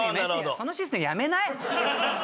そのシステムやめない？